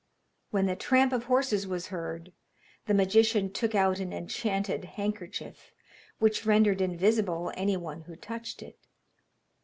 When the tramp of horses was heard, the magician took out an enchanted handkerchief, which rendered invisible any one who touched it.